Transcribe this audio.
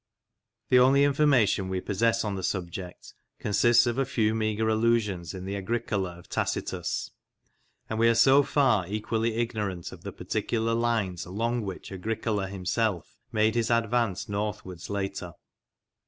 The only information we possess on the subject consists of a few meagre allusions in the Agricola of Tacitus, and we are so far equally ignorant of the particular lines along which Agricola himself made his advance northwards later.